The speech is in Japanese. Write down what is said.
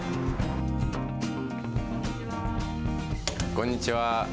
こんにちは。